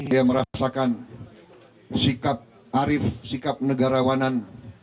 yang merasakan sikap arif sikap negarawanan